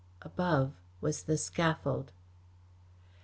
Above was the scaffold.